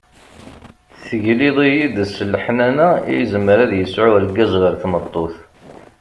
Tegliḍ-iyi-d s leḥnana i yezmer ad yesɛu urgaz ɣer tmeṭṭut.